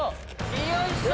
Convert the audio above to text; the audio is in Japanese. よいしょ！